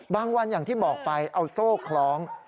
วันอย่างที่บอกไปเอาโซ่คล้อง